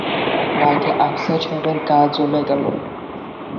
রাগে আফসার সাহেবের গা জ্বলে গেল।